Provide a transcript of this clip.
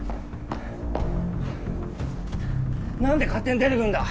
なんで勝手に出ていくんだ！